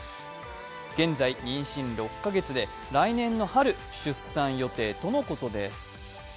現在、妊娠６カ月で来年春、出産予定とのことです。